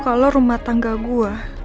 kalo rumah tangga gue